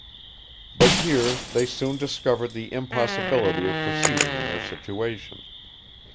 But here they soon discovered the impossibility of proceeding in their situation.